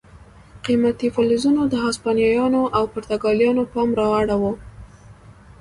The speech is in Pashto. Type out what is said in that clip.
قیمتي فلزاتو د هسپانویانو او پرتګالیانو پام را اړاوه.